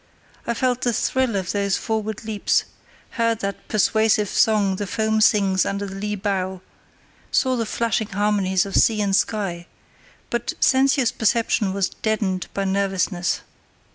I felt the thrill of those forward leaps, heard that persuasive song the foam sings under the lee bow, saw the flashing harmonies of sea and sky; but sensuous perception was deadened by nervousness.